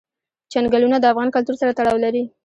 چنګلونه د افغان کلتور سره تړاو لري.